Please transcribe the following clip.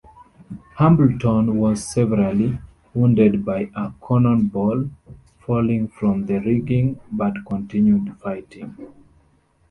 Hambleton was severely wounded by a cannonball falling from the rigging, but continued fighting.